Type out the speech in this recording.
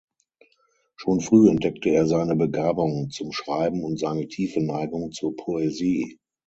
Schon früh entdeckte er seine Begabung zum Schreiben und seine tiefe Neigung zur Poesie.